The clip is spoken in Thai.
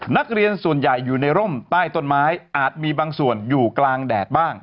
นักเรียนส่วนใหญ่อยู่ในร่มใต้ต้นไม้อาจมีบางส่วนอยู่กลางแดดบ้าง